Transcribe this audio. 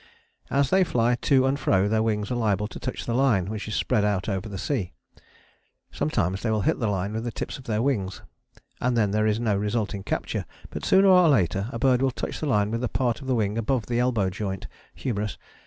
As they fly to and fro their wings are liable to touch the line which is spread out over the sea. Sometimes they will hit the line with the tips of their wings, and then there is no resulting capture, but sooner or later a bird will touch the line with the part of the wing above the elbow joint (humerus).